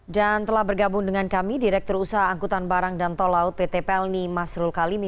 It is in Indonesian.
dan telah bergabung dengan kami direktur usaha angkutan barang dan tol laut pt pelni masrul kalimi